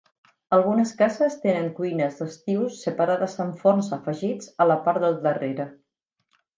Algunes cases tenen cuines d'estiu separades amb forns afegits a la part del darrere.